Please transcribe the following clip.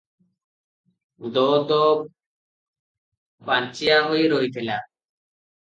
ଦୋ ଦୋ ପାଞ୍ଚିଆ ହୋଇ ରହିଥିଲା ।